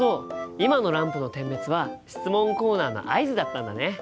今のランプの点滅は質問コーナーの合図だったんだね。